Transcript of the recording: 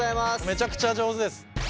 めちゃくちゃ上手です。